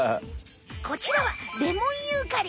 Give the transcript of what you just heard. こちらはレモンユーカリ。